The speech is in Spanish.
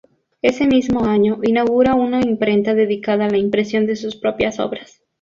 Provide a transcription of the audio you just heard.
Ese mismo año, inaugura una imprenta dedicada a la impresión de sus propias obras.